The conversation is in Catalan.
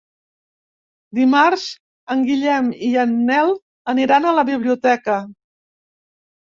Dimarts en Guillem i en Nel aniran a la biblioteca.